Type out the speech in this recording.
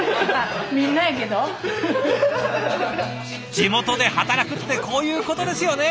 地元で働くってこういうことですよね！